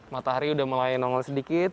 matahari udah mulai nongol sedikit